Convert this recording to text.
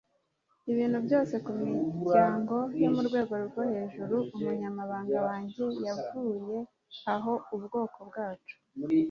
ibintu byose kumiryango yo murwego rwo hejuru. umunyamabanga wanjye yavuye aho; ubwoko bwacu